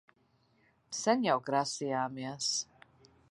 Sen jau grasījāmies...